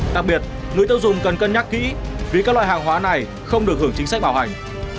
đặc biệt người tiêu dùng cần cân nhắc kỹ vì các loại hàng hóa này không được hưởng chính sách bảo hành